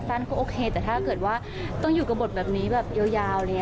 อ่ะสั้นก็โอเคแต่ถ้าเกิดว่าต้องอยู่กับบทแบบนี้เยอะ